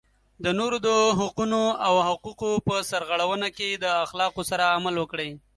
د نورو د حقونو او حقوقو په سرغړونه کې د اخلاقو سره عمل وکړئ.